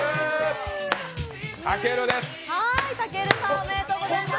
ありがとうございます！